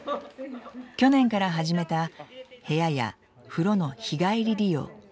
去年から始めた部屋や風呂の日帰り利用。